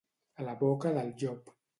A la boca del llop.